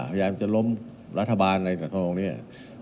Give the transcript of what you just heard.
พยายามจะล้มรัฐบาลในสัตว์ตรงนี้